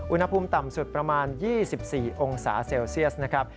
อุณหภูมิต่ำสุดประมาณ๒๔องศาเซลเซียสนะครับ